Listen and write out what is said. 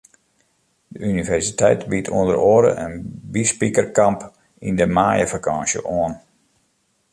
De universiteit biedt ûnder oare in byspikerkamp yn de maaiefakânsje oan.